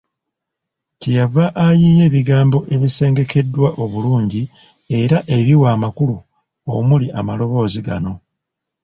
Kye yava ayiiya ebigambo ebisengekeddwa obulungi era ebiwa amakulu omuli amaloboozi gano.